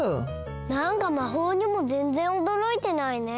なんかまほうにもぜんぜんおどろいてないね。